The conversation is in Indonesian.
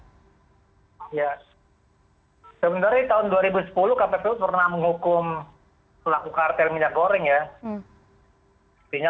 ya sebenarnya tahun dua ribu sepuluh kppu pernah menghukum pelaku kartel minyak goreng ya